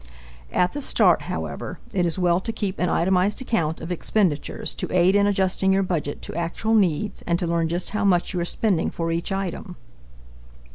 At the start, however, it is well to keep an itemized account of expenditures to aid in adjusting your budget to actual needs and to learn just how much you are spending for each item.